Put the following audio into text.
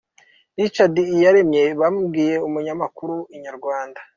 Richard Iyaremye wabwiye umunyamakuru wa Inyarwanda.